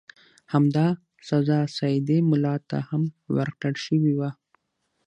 همدا سزا سیدي مولا ته هم ورکړل شوې وه.